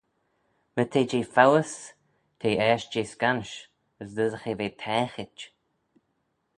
My t'eh jeh foays, t'eh eisht jeh scansh, as lhisagh eh ve taaghit.